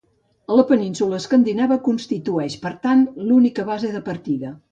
La península escandinava constitueix, per tant, l'única base de partida.